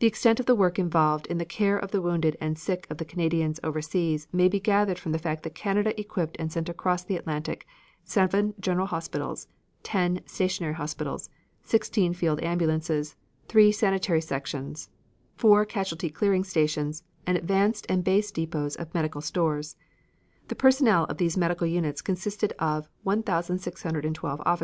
The extent of the work involved in the care of the wounded and sick of the Canadians overseas may be gathered from the fact that Canada equipped and sent across the Atlantic, 7 general hospitals, 10 stationary hospitals, 16 field ambulances, 3 sanitary sections, 4 casualty clearing stations and advanced and base depots of medical stores: The personnel of these medical units consisted of 1,612 officers, 1,994 nursing sisters and 12,382 of other ranks, or a total of about 16,000.